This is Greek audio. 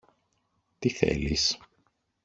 Τι θέλεις;